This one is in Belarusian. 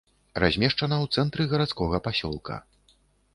Размешчана ў цэнтры гарадскога пасёлка.